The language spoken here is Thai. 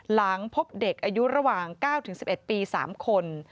หลังพบเด็กอายุระหว่าง๙๑๑ปี๓คน